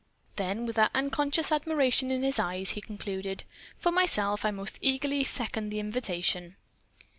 Then with that unconscious admiration in his eyes, he concluded: "For myself I most eagerly second the invitation."